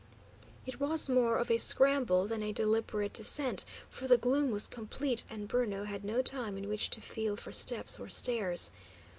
It was more of a scramble than a deliberate descent, for the gloom was complete, and Bruno had no time in which to feel for steps or stairs.